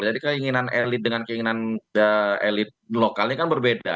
jadi keinginan elit dengan keinginan elit lokalnya kan berbeda